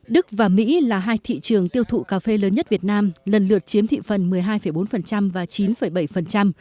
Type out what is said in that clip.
đức và mỹ là hai thị trường tiêu thụ cà phê lớn nhất việt nam lần lượt chiếm thị phần một mươi hai bốn và chín bảy